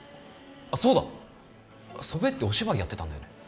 あっそうだ祖父江ってお芝居やってたんだよね？